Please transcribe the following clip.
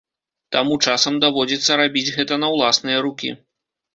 Таму часам даводзіцца рабіць гэта на ўласныя рукі.